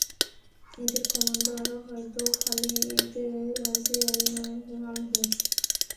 এদের কমান্ডার হযরত খালিদ রাযিয়াল্লাহু আনহু।